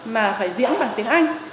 mà phải diễn bằng tiếng anh